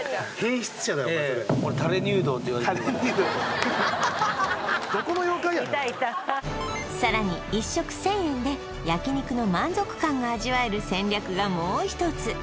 ハハハハ・どこの妖怪やねんさらに１食１０００円で焼肉の満足感が味わえる戦略がもう一つ